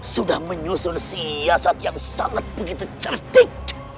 sudah menyusul siasat yang sangat begitu cerdik